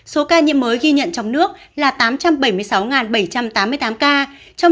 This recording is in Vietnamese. số ca nhiễm mới ghi nhận trong nước là tám trăm bảy mươi sáu bảy trăm tám mươi tám ca trong